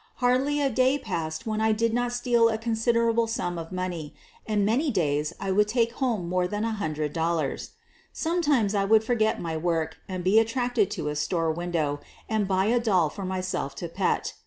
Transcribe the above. Hardly a day passed when I did not steal a considerable sum of money, and many days I would take home more than a hundred dol lars. Sometimes I would forget my work and be attracted to a store window and buy a doll for my self to pet.